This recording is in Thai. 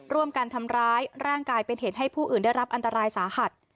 ร่วมกันทำร้ายร่างกายเป็นเหตุให้ผู้อื่นได้รับอันตรายสาหัส